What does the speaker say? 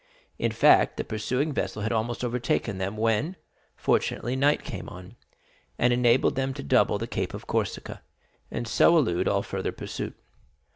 In fact, the pursuing vessel had almost overtaken them when, fortunately, night came on, and enabled them to double the Cape of Corsica, and so elude all further pursuit.